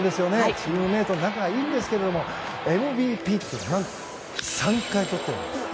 チームメートで仲はいいんですけれどもＭＶＰは３回とっているんです。